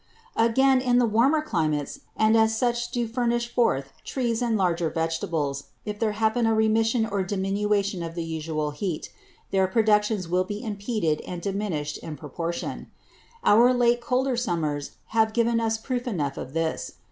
Again, in the warmer Climates, and such as do furnish forth Trees and the larger Vegetables, if there happen a remission or diminution of the usual Heat, their Productions will be impeded and diminished in proportion. Our late Colder Summers have given us proof enough of this.